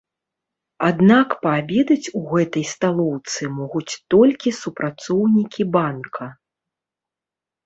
Аднак паабедаць у гэтай сталоўцы могуць толькі супрацоўнікі банка.